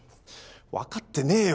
わかってねぇよ